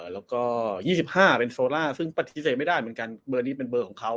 แล้วก็๒๕เป็นโซล่าซึ่งปฏิเสธไม่ได้เหมือนกันเบอร์นี้เป็นเบอร์ของเขา